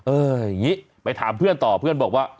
อย่างนี้ไปถามเพื่อนต่อเพื่อนบอกว่า